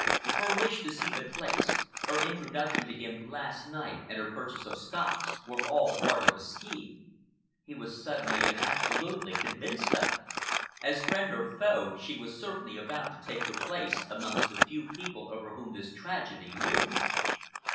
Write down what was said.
Her wish to see the place, her introduction to him last night and her purchase of stocks, were all part of a scheme. He was suddenly and absolutely convinced of it. As friend or foe, she was very certainly about to take her place amongst the few people over whom this tragedy loomed.